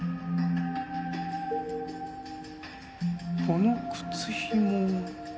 この靴ひも。